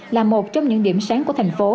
là một trong những điểm sáng của thành phố